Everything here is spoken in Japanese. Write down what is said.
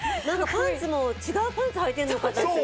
パンツも違うパンツはいてるのかと。